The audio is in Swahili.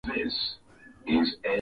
Aliingia ndani ya nyumba akanyamaza